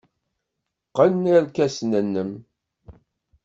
Qqen irkasen-nnem.